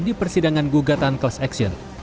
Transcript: di persidangan gugatan kelas aksion